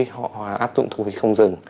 họ áp dụng thu phí không dừng